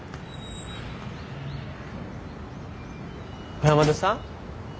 小山田さん？